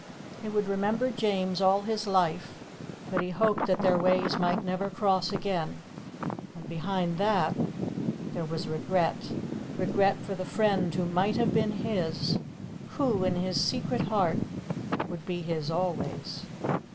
He would remember James all his life, but he hoped that their ways might never cross again. And, behind that, there was regret; regret for the friend who might have been his, who, in his secret heart, would be his always.